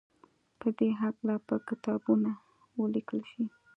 په دې هکله به کتابونه وليکل شي.